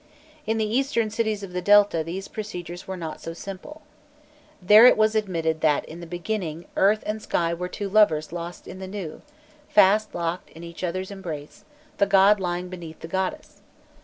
In the eastern cities of the Delta these procedures were not so simple. There it was admitted that in the beginning earth and sky were two lovers lost in the Nû, fast locked in each other's embrace, the god lying beneath the goddess.